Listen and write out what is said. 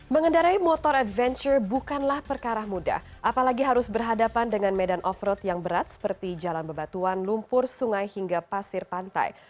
mengendarai motor adventure bukanlah perkara mudah apalagi harus berhadapan dengan medan off road yang berat seperti jalan bebatuan lumpur sungai hingga pasir pantai